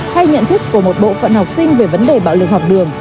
hay nhận thức của một bộ phận học sinh về vấn đề này